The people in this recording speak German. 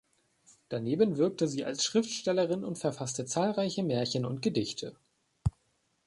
Daneben wirkte sie als Schriftstellerin und verfasste zahlreiche Märchen und Gedichte.